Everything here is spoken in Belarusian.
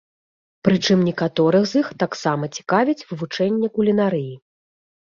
Прычым некаторых з іх таксама цікавіць вывучэнне кулінарыі.